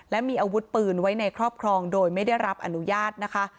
และมีอาวุธปืนไว้ในครอบครองโดยไม่ได้รับอนุญาตนะคะ